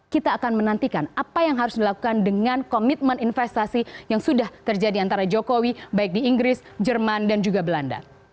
kita akan menantikan apa yang harus dilakukan dengan komitmen investasi yang sudah terjadi antara jokowi baik di inggris jerman dan juga belanda